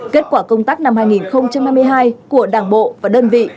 kết quả công tác năm hai nghìn hai mươi hai của đảng bộ và đơn vị